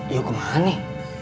yuk kemana nih